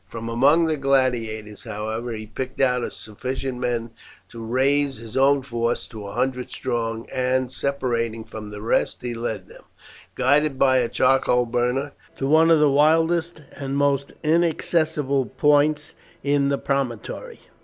From among the gladiators, however, he picked out sufficient men to raise his own force to a hundred strong, and separating from the rest he led them, guided by a charcoal burner, to one of the wildest and most inaccessible points in the promontory.